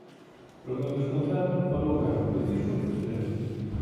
Para o meu desconcerto, falou ben, preciso e sereno.